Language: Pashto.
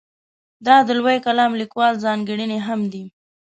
دا د لویو کالم لیکوالو ځانګړنې هم دي.